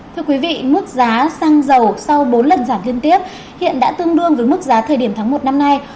thưa quý vị mức giá xăng dầu sau bốn lần giảm liên tiếp hiện đã tương đương với mức giá thời điểm tháng một năm nay